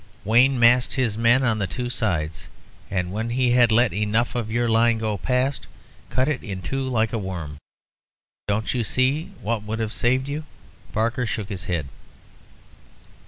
Wayne massed his men on the two sides, and when he had let enough of your line go past, cut it in two like a worm. Don't you see what would have saved you?" Barker shook his head.